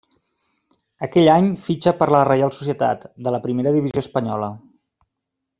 Aquell any fitxa per la Reial Societat, de la primera divisió espanyola.